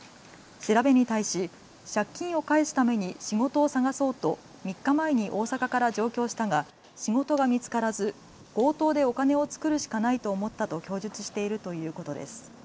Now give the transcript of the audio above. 調べに対し借金を返すために仕事を探そうと３日前に大阪から上京したが仕事が見つからず強盗でお金を作るしかないと思ったと供述しているということです。